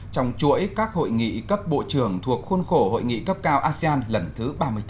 trong chuỗi các hội nghị cấp bộ trưởng thuộc khuôn khổ hội nghị cấp cao asean lần thứ ba mươi bốn